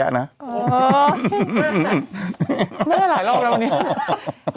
ไม่ได้หลายรอบแล้ววันนี้